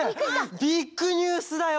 ビッグニュースだよ！